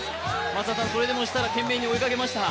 それでも設楽、懸命に追いかけました。